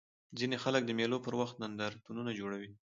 ځيني خلک د مېلو پر وخت نندارتونونه جوړوي.